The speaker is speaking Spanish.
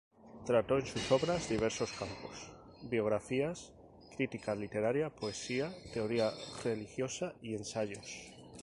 Trató en su obra diversos campos: biografías, crítica literaria, poesía, teoría religiosa, y ensayos.